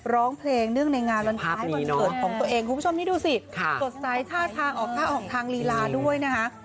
ร้องเพลงเนื่องในงานวันคล้ายวันเกิดของตัวเองคุณผู้ชมนี่ดูสิสดใสท่าทางออกท่าออกทางลีลาด้วยนะคะ